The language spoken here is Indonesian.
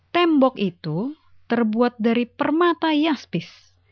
tembok itu terbuat dari permata yaspis